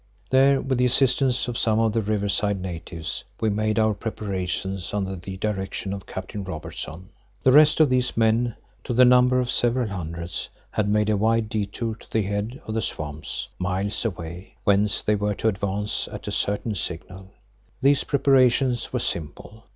There with the assistance of some of the riverside natives we made our preparations under the direction of Captain Robertson. The rest of these men, to the number of several hundreds, had made a wide détour to the head of the swamps, miles away, whence they were to advance at a certain signal. These preparations were simple.